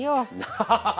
ハハハハッ。